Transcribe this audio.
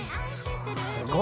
すごい。